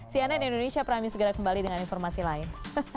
cnn indonesia prami segera kembali dengan informasi lain